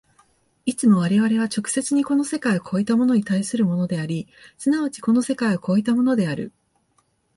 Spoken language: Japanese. いつも我々は直接にこの世界を越えたものに対するものであり、即ちこの世界を越えたものである。